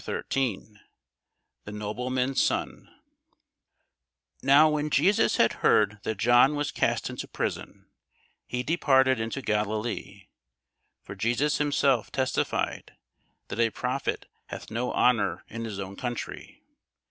CHAPTER 13 THE NOBLEMAN'S SON [Sidenote: St. John 4] NOW when Jesus had heard that John was cast into prison, he departed into Galilee. For Jesus himself testified, that a prophet hath no honour in his own country.